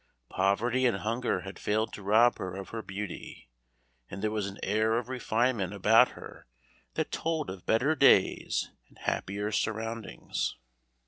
Poverty and hunger had failed to rob her of her beauty, and there was an air of refinement about her that told of better days and happier surroundings.